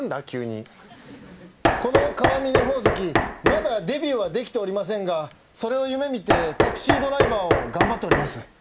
急にこのカワミネホウズキまだデビューはできておりませんがそれを夢見てタクシードライバーを頑張っております